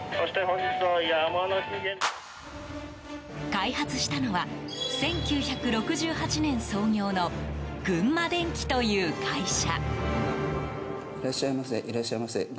開発したのは１９６８年創業の群馬電機という会社。